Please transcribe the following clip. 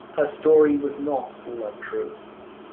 Her story was not all untrue.